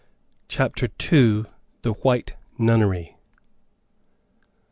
CHAPTER II. THE WHITE NUNNERY.